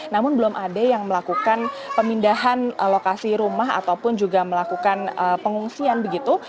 namun belum ada yang melakukan pemindahan lokasi rumah ataupun juga melakukan pengungsian begitu